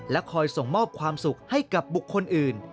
คอยส่งมอบความสุขให้กับบุคคลอื่น